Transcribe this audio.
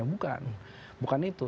bukan bukan itu